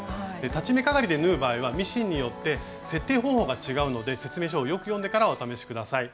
裁ち目かがりで縫う場合はミシンによって設定方法が違うので説明書をよく読んでからお試し下さい。